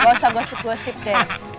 gak usah gosip gosip kayak